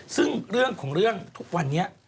ซึ่งเรื่องของเรื่องทุกวันนี้